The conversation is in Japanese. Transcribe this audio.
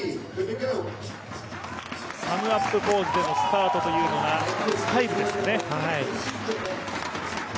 サムアップポーズでのスタートがスタイルですね。